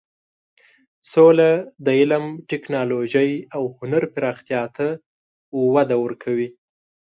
سوله د علم، ټکنالوژۍ او هنر پراختیا ته وده ورکوي.